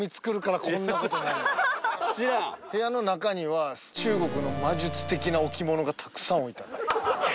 部屋の中には中国の魔術的な置物がたくさん置いてあった。